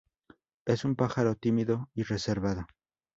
Es un pájaro tímido y reservado.